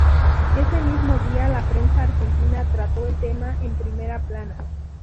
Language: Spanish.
Ese mismo día la prensa argentina trató el tema en primera plana.